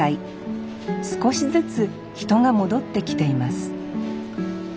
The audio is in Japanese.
少しずつ人が戻ってきています。